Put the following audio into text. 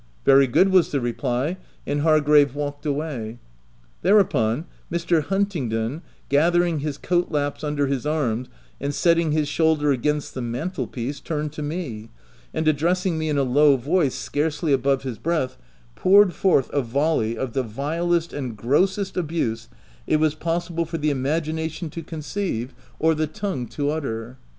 "Very good," was the reply; and Hargrave walked away. Thereupon, Mr. Huntingdon, gathering his coat laps under his arms, and setting his shoulder against the mantle piece, turned to me, and, addressing me in a low voice, scarcely above his breath, poured forth a volley of the vilest and grossest abuse it was possible for the imagination to conceive or the 48 THE TENANT tongue to utter.